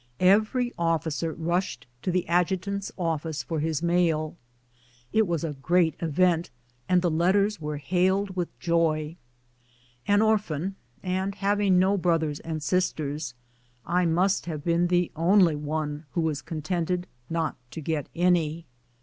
Every offi cer rushed to the adjutant's office for his mail. It was a great event and the letters were hailed with joj. An orplian, and having no brothers and sisters, I must have been the only one who was contented not to get any.